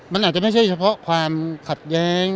มันอาจจะไม่ใช่เฉพาะความขัดแย้ง